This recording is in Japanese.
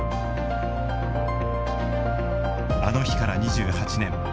あの日から２８年。